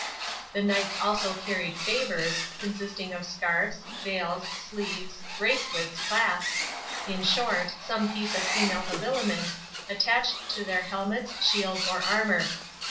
The knights also carried FAVORS, consisting of scarfs, veils, sleeves, bracelets, clasps, in short, some piece of female habiliment, attached to their helmets, shields, or armor.